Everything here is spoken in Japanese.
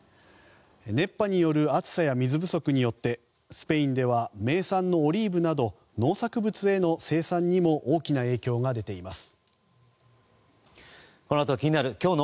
熱波による暑さや水不足によってスペインでは名産のオリーブなど農作物の生産にも大きな影響が出ています。